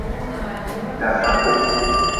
Dasaku.